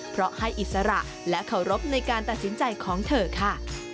เพราะให้อิสระและเคารพในการตัดสินใจของเธอค่ะ